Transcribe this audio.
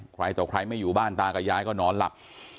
ใครต่อใครไม่อยู่บ้านตากับยายก็นอนหลับ